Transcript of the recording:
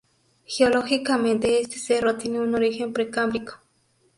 Geológicamente este cerro tiene un origen precámbrico.